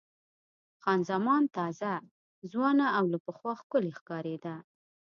خان زمان تازه، ځوانه او له پخوا ښکلې ښکارېده.